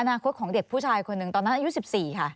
อนาคตของเด็กผู้ชายคนหนึ่งตอนนั้นอายุ๑๔ค่ะ